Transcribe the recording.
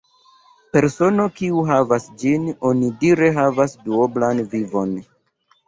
Persono kiu havas ĝin onidire havas duoblan vivon.